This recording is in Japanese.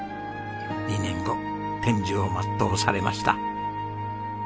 ２年後天寿を全うされました。